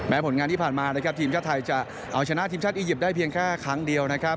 แม้ผลงานที่ผ่านมาทีมชาติไทยจะเอาชนะทีมชาติอียิปต์ได้เพียงแค่ครั้งเดียว